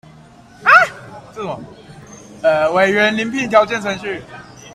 委員遴聘條件程序